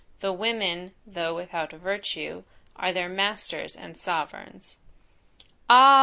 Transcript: The women, though without virtue, are their masters and sovereigns." Ah!